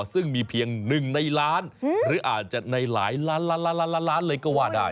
ซึ่งมีเพียง๑ในล้านหรืออาจจะในหลายล้านล้านเลยก็ว่าได้